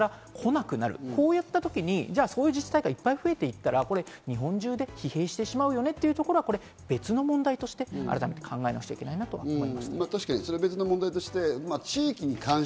でも本音を擦りあわせたら、来なくなる、こういったときにそういう自治体がいっぱい増えていったら、日本中が疲弊してしまうよねということは、別の問題として考えなきゃいけないなと思います。